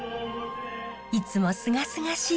いつもすがすがしい